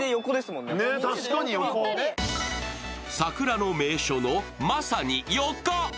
桜の名所のまさに横。